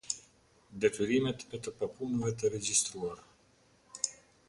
Detyrimet e të papunëve të regjistruar.